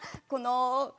この。